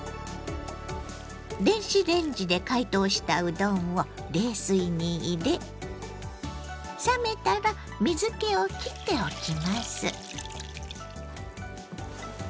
電子レンジで解凍したうどんを冷水に入れ冷めたら水けをきっておきます。